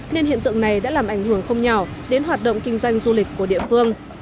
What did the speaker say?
nên hiện tượng này đã làm ảnh hưởng không nhỏ đến hoạt động kinh doanh du lịch của địa phương